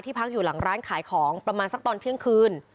พักอยู่หลังร้านขายของประมาณสักตอนเที่ยงคืน